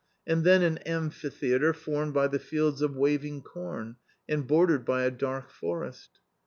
And then an amphi theatre formed by the fields of waving corn and bordered by a dark forest.